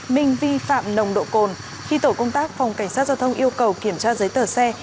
minh vi phạm nồng độ cồn khi tổ công tác phòng cảnh sát giao thông yêu cầu kiểm tra giấy tờ xe